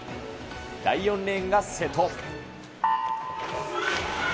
第４レーンが瀬戸。